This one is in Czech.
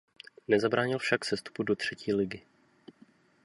Nezabránil však sestupu do třetí ligy.